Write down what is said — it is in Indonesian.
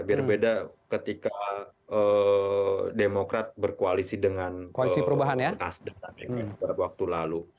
biar beda ketika demokrat berkoalisi dengan nasdem beberapa waktu lalu